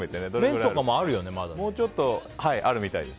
もうちょっとあるみたいです。